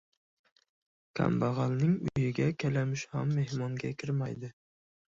• Kambag‘alning uyiga kalamush ham mehmonga kirmaydi.